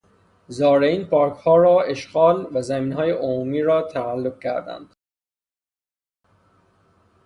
زارعین پارکها را اشغال و زمینهای عمومی را تملک کردند.